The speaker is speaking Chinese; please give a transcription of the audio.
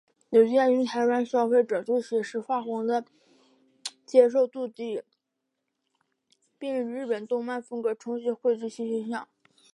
有鉴于台湾消费者对写实画风的接受度低并以日本动漫风格重新绘制新形象。